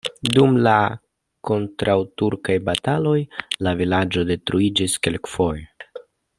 Dum la kontraŭturkaj bataloj la vilaĝo detruiĝis kelkfoje.